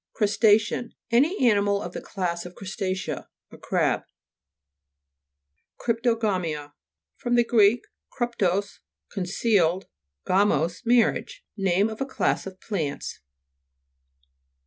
CRUSTA'CEAN Any animal of the class of crusta'cea ; a crab. CRYPTOGA'MIA fr. gr. kruptos, con cealed, games, marriage. Name of a class of plants.